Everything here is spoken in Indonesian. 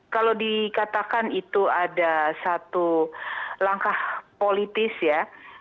kalau dikatakan itu ada satu langkah politis ya